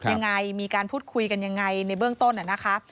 ยังไงมีการพูดคุยกันยังไงในเบื้องต้นนะคะ